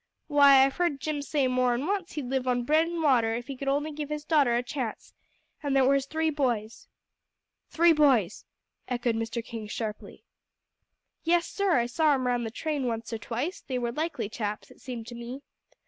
"Why, I've heard Jim say more'n once he'd live on bread and water if he could only give his daughter a chance. And there were his three boys." "Three boys," echoed Mr. King sharply. "Yes, sir. I saw 'em round the train once or twice; they were likely chaps, it seemed to me."